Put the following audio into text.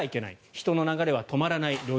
人の流れは止まらない。